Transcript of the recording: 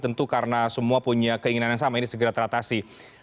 tentu karena semua punya keinginan yang sama ini segera teratasi